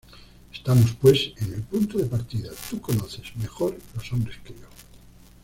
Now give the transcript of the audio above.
Estamos pues en el punto de partida, tú conoces mejor los hombres que yo.